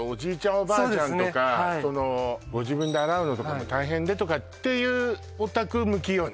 おばあちゃんとかそうですねはいご自分で洗うのとかも大変でとかっていうお宅向きよね